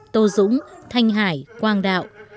tô dũng thanh hải quang đạo